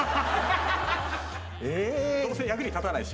どうせ役に立たないし。